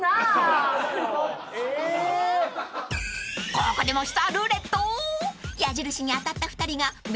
［ここでもしツアルーレット］